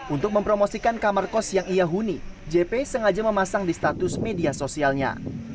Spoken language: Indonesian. untuk mempromosikan kamar kos yang ia huni jp sengaja memasang di status media sosialnya